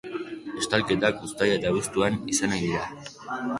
Estalketak uztaila eta abuztuan izan ohi dira.